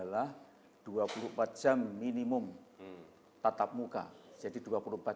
nah dimana itu memang sebagai syarat